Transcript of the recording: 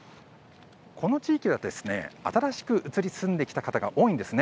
この地域は新しく移り住んできた方が多いんです。